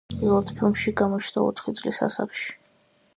პირველად ფილმში გამოჩნდა ოთხი წლის ასაკში.